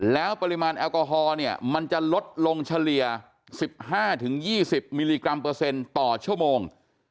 แล้วปริมาณแอลกอฮอล์เนี่ยมันจะลดลงเฉลี่ย๑๕๒๐มิลลิกรัมเปอร์เซ็นต์ต่อชั่วโมง